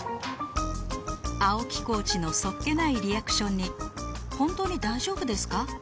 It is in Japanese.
青木コーチのそっけないリアクションに本当に大丈夫ですか？